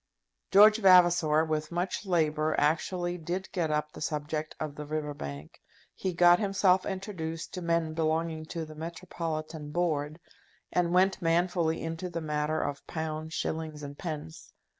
George Vavasor, with much labour, actually did get up the subject of the River Bank. He got himself introduced to men belonging to the Metropolitan Board, and went manfully into the matter of pounds, shillings, and pence.